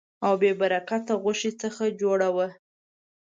او بې برکته غوښې څخه جوړه وه.